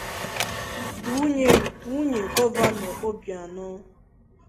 nwunye Gọvanọ Obianọ